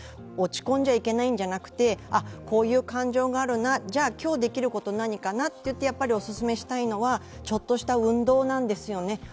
落ち込んじゃいけないんじゃなくて、こういう感情があるな、じゃあ今日できること何かなといってやっぱりお勧めしたいのはちょっとした運動なんですよね。